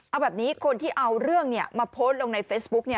เอาแบบนี้คนที่เอาเรื่องมาโพสต์ลงในเฟซบุ๊ก